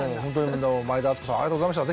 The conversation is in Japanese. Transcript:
前田敦子さんありがとうございました。